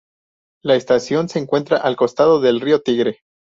La estación se encuentra al costado del Río Tigre.